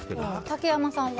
竹山さんは？